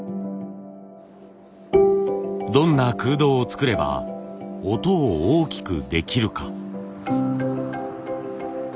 どんな空洞を作れば音を大きくできるか。